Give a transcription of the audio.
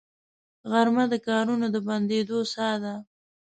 غرمه د کارونو د بندېدو ساه ده